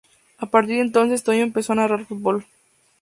A partir de entonces, Toño empezó a narrar fútbol.